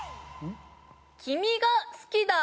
「君が好きだ」